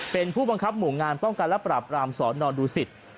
เป็นผู้บังคับหมู่งานป้องกันและปราบรามสนดูสิต